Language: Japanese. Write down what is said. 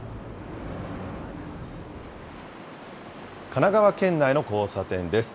神奈川県内の交差点です。